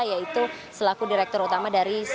yaitu selaku direktur utama dari